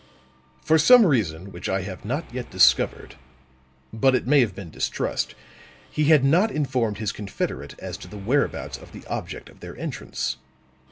For some reason which I have not yet discovered, but it may have been distrust, he had not informed his confederate as to the whereabouts of the object of their entrance.